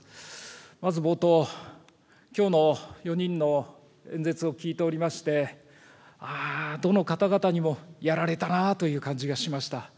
まず冒頭、きょうの４人の演説を聞いておりまして、ああ、どの方々にもやられたなという感じがしました。